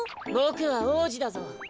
ボクは王子だぞ。